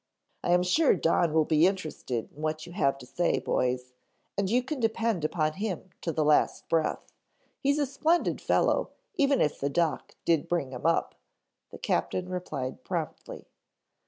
"I am sure Don will be interested in what you have to say, boys, and you can depend upon him to the last breath. He's a splendid fellow even if the doc did bring him up," the captain replied promptly.